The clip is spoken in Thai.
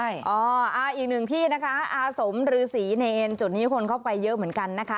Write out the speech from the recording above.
ใช่อีกหนึ่งที่นะคะอาสมฤษีเนรจุดนี้คนเข้าไปเยอะเหมือนกันนะคะ